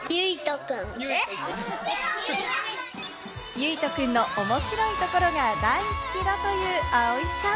ゆいとくんの面白いところが大好きだというあおいちゃん。